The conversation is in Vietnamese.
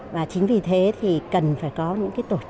và chính vì thế thì cần phải có những cái tổ chức